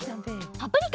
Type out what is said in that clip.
パプリカ！